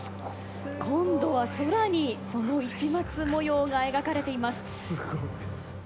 今度は空にその市松模様が描かれています。